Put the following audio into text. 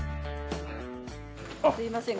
すみません